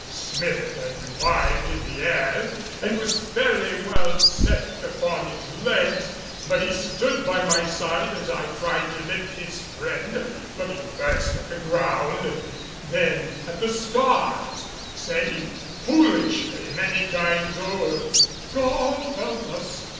Smith had revived in the air and was fairly well set upon his legs. But he stood by my side as I tried to lift his friend, looking first at the ground and then at the stars, saying foolishly many times over, "God help us!